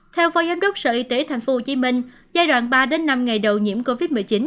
theo phó giám đốc sở y tế tp hcm giai đoạn ba năm ngày đầu nhiễm covid một mươi chín